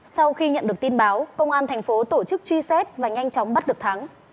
sau khi nhận được tin báo công an tp tổ chức truy xét và nhanh chóng bắt được thắng